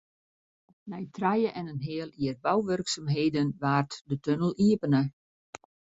Nei trije en in heal jier bouwurksumheden waard de tunnel iepene.